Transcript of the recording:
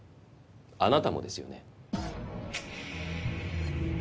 あなたもですよね？